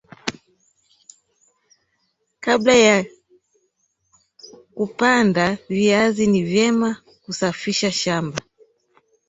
kabla ya kupanda viazi ni vyema kusafisha shamba